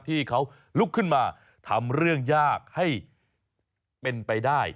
ที่เขาลุกขึ้นมาทำเรื่องยากให้เป็นไปได้